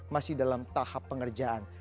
masih dalam tahap pengerjaan